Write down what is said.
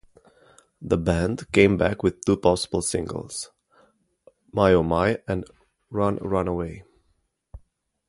The band came back with two possible singles, "My Oh My" and "Run Runaway".